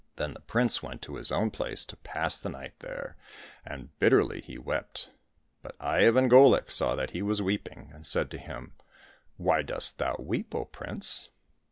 Then the prince went to his own place to pass the night there, and bitterly he wept. But Ivan Golik saw that he was weeping, and said to him, " Why dost thou weep, O prince